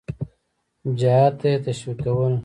جهاد ته یې تشویقول.